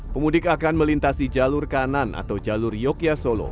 pemudik akan melintasi jalur kanan atau jalur yogyakarta solo